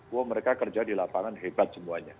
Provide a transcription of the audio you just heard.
wah mereka kerja di lapangan hebat semuanya